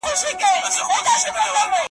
که سړه شپه اوږده سي `